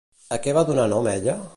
A què va donar nom ella?